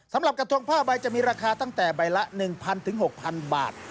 สำหรับกระทงผ้าใบจะมีราคาตั้งแต่ใบละ๑๐๐๖๐๐บาท